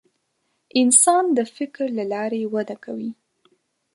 انسان د فکر له لارې وده کوي.